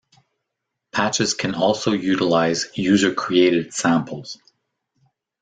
Patches can also utilize user-created samples.